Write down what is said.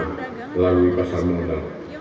melalui pasar modal